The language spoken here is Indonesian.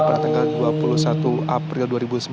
pada tanggal dua puluh satu april dua ribu sembilan belas